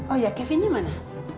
oh iya kevinnya mana